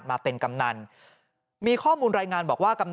ปี๖๕วันเกิดปี๖๔ไปร่วมงานเช่นเดียวกัน